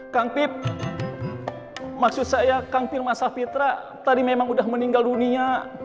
kang pip maksud saya kang pir masa fitra tadi memang udah meninggal dunia